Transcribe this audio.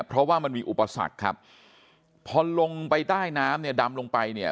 เพราะว่ามันมีอุปสรรคครับพอลงไปใต้น้ำเนี่ยดำลงไปเนี่ย